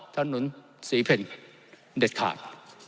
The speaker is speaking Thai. ท่านหนุนสีเพ่นเด็ดขาด